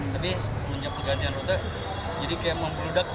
tapi semenjak pergantian rute jadi kayak membeludak gitu